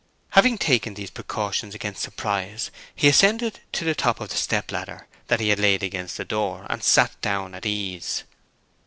Having taken these precautions against surprise, he ascended to the top of the step ladder that he had laid against the door and sat down at ease.